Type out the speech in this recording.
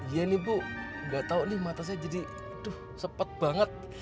iya nih bu gak tau nih mata saya jadi sepet banget